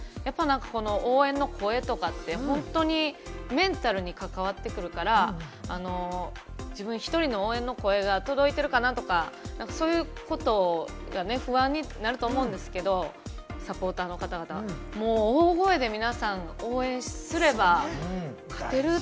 応援の声とかって本当にメンタルに関わってくるから、自分一人の応援の声が届いてるかなとか、そういうことがね、不安になると思うんですけれども、サポーターの方々、大声で皆さん、応援すれば勝てる。